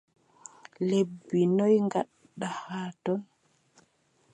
Lebbi noy gaɗɗa haa ton ?